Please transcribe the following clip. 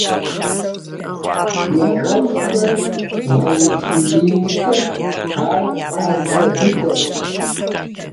Нэгъуэщӏхэр гъэулъиинкӏэ ар ӏэзэ дыдэщ.